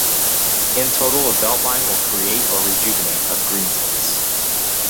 In total, the BeltLine will create or rejuvenate of greenspace.